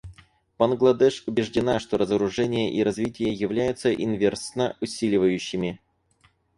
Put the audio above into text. Бангладеш убеждена, что разоружение и развитие являются инверсно усиливающими.